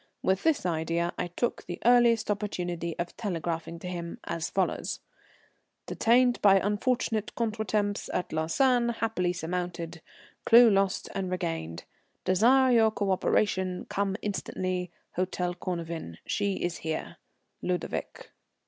With this idea I took the earliest opportunity of telegraphing to him as follows: "Detained by unfortunate contretemps at Lausanne, happily surmounted, clue lost and regained. Desire your coöperation. Come instantly, Hôtel Cornavin. She is here. "LUDOVIC."